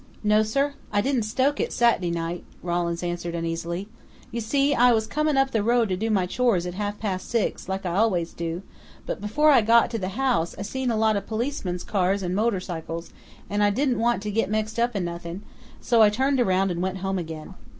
"No, sir, I didn't stoke it Sat'dy night," Rawlins answered uneasily. "You see, I was comin' up the road to do my chores at half past six, like I always do, but before I got to the house I seen a lot of policemen's cars and motorcycles, and I didn't want to get mixed up in nothing, so I turned around and went home again.